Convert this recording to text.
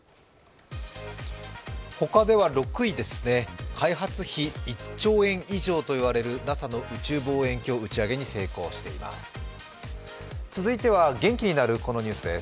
ほかでは６位ですね、開発費１兆円以上とされるＮＡＳＡの宇宙望遠鏡打ち上げに成功しています。